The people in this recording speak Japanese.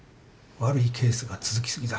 悪いケースが続き過ぎだ。